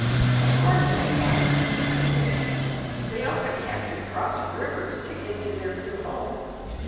"Of course they have," said Dick, "they often have to cross rivers to get to their new home.